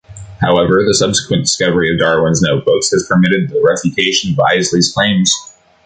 However, the subsequent discovery of Darwin's notebooks has "permitted the refutation of Eiseley's claims".